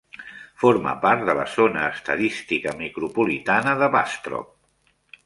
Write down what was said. Forma part de la zona estadística micropropolitana de Bastrop.